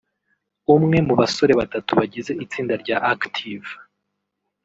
umwe mu basore batatu bagize itsinda rya Active